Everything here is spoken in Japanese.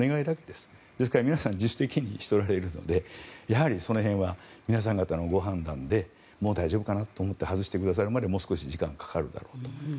ですから皆さん自主的にしておられるのでその辺は皆さん方のご判断でもう大丈夫かなと思って外してくださるまでもう少し時間がかかるだろうと。